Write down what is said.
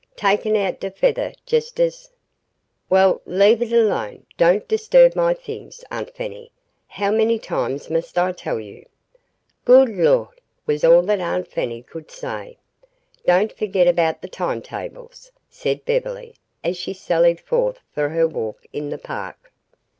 "Takin' out de featheh jes' as " "Well, leave it alone. Don't disturb my things, Aunt Fanny. How many times must I tell you " "Good Lawd!" was all that Aunt Fanny could say. "Don't forget about the time tables," said Beverly, as she sallied forth for her walk in the park.